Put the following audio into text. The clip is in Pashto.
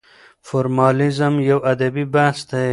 فورمالېزم يو ادبي بحث دی.